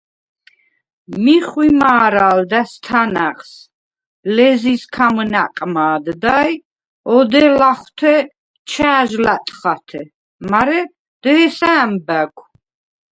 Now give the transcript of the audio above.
მი ხვიმა̄რა̄ლდა̈ს თანა̈ღს, ლეზიზ ქამჷნა̈ყ მა̄დდა ი ოდე ლახვთე ჩა̈ჟ ლა̈ტხათე, მარე დე̄სა ა̈მბა̈გვ.